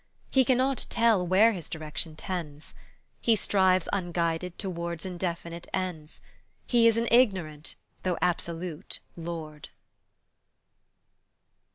He cannot tell where his direction tends; He strives unguided towards indefinite ends; He is an ignorant though absolute lord.